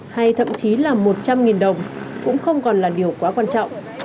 hay thậm chí là một trăm linh đồng cũng không còn là điều quá quan trọng